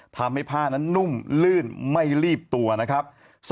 ทำให้ผ้านั้นนุ่มลื่นไม่รีบตัวนะครับ